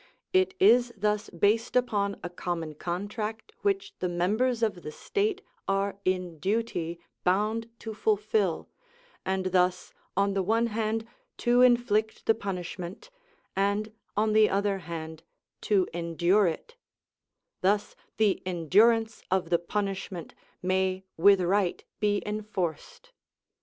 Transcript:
It is thus based upon a common contract which the members of the state are in duty bound to fulfil, and thus, on the one hand, to inflict the punishment, and, on the other hand, to endure it; thus the endurance of the punishment may with right be enforced.